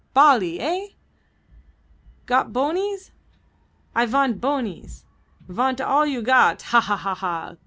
Bali, eh? Got bonies? I vant bonies! Vant all you got; ha! ha!